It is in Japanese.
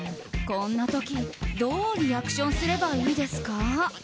こんな時どうリアクションすればいいですか？